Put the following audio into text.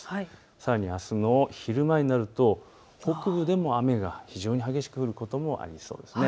さらにあすの昼前になると北部でも雨が非常に激しく降ることもありそうです。